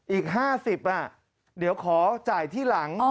อีก๕๐เดี๋ยวขอจ่ายที่หลัง